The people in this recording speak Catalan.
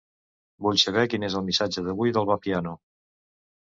Vull saber quin és el missatge d'avui del Vapiano.